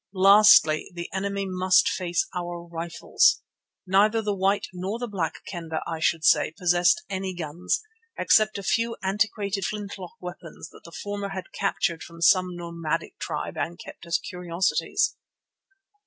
Lastly, the enemy must face our rifles. Neither the White nor the Black Kendah, I should say, possessed any guns, except a few antiquated flintlock weapons that the former had captured from some nomadic tribe and kept as curiosities.